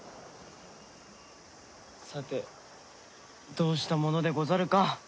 さてどうしたものでござるか。